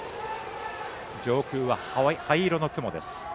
上空は灰色の雲です。